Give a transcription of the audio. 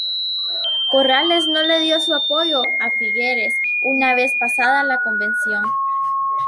Corrales no le dio su apoyo a Figueres una vez pasada la convención.